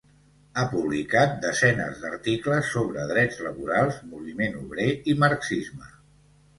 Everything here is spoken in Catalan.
Ha publicat desenes d’articles sobre drets laborals, moviment obrer i marxisme.